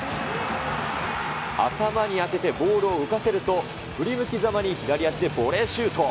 頭に当ててボールを浮かせると、振り向きざまに左足でボレーシュート。